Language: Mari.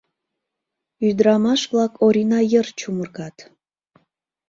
Ӱдырамаш-влак Орина йыр чумыргат.